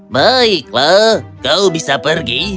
baiklah kau bisa pergi